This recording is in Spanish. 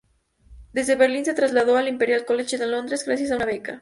Desde Berlín se trasladó al Imperial College de Londres gracias a una beca.